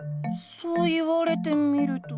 そう言われてみると。